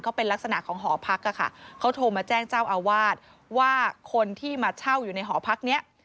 เขาเป็นลักษณะของหอพักอะค่ะเขาโทรมาแจ้งเจ้าอาวาสว่าคนที่มาเช่าอยู่ในหอพักเนี้ย